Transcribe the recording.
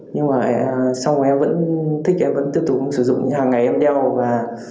nhưng mà sau đó em vẫn thích em vẫn tiếp tục sử dụng hàng ngày em đeo và